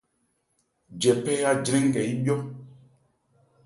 Jɛphɛ́ya 'jrɛn nkɛ yíbhyɔ́.